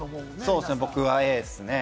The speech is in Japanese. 僕はＡですね。